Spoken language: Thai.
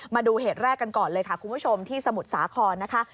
มาดูเหตุแรกกันก่อนเลยค่ะคุณผู้ชมที่สมุทรสาครนะคะ